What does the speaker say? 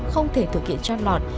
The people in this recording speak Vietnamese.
không thể thực hiện chăn lọt